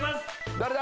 誰だ？